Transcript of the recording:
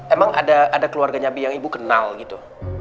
emang ada keluarganya yang ibu kenal gitu